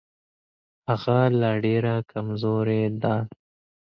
هغه لا ډېره کمزورې ده.